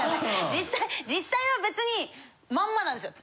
実際は別にまんまなんですよ。